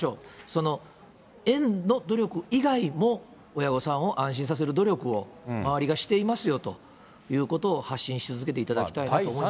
その園の努力以外も、親御さんを安心させる努力を、周りがしていますよということを発信し続けていただきたいと思い